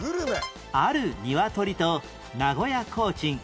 あるニワトリと名古屋コーチン